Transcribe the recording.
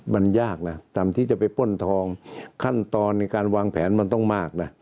มันยากนะตามที่จะไปป้นทองขั้นตอนในการวางแผนมันต้องมากนะ